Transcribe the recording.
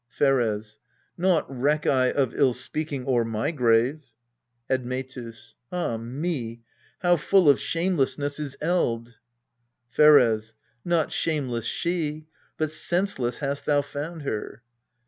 Pheres. Naught reck I of ill speaking o'er my grave. Admctus. Ah me ! how full of shamelessness is eld ! Pheres. Not shameless she but senseless hast thou found her.